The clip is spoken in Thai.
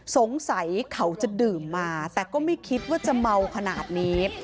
สงสัยเขาจะดื่มมาแต่ก็ไม่คิดว่าจะเมาขนาดนี้